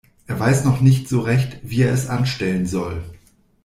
Er weiß noch nicht so recht, wie er es anstellen soll.